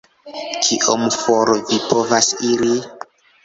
Kiom for vi povas iri?